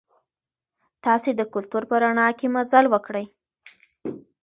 تاسي د کلتور په رڼا کې مزل وکړئ.